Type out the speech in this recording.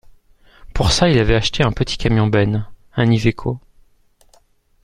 Pour ça il avait acheté un petit camion benne, un Iveco.